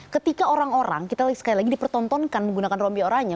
ketika orang orang kita sekali lagi dipertontonkan menggunakan rompioranya